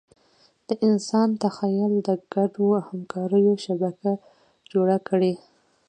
د انسان تخیل د ګډو همکاریو شبکه جوړه کړه.